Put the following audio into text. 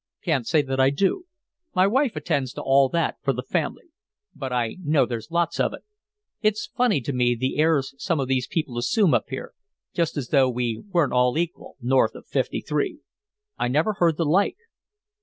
"Can't say that I do. My wife attends to all that for the family. But I know there's lots of it. It's funny to me, the airs some of these people assume up here, just as though we weren't all equal, north of Fifty three. I never heard the like."